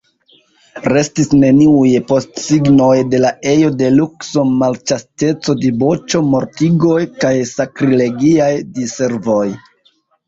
Restis neniuj postsignoj de la ejo de lukso, malĉasteco, diboĉo, mortigoj kaj sakrilegiaj diservoj.